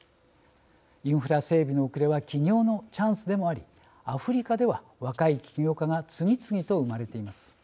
インフラ整備の遅れは起業のチャンスでもありアフリカでは若い起業家が次々と生まれています。